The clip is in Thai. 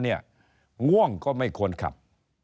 ง่วงก็ไม่ควรขับ